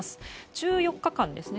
１４日間ですね。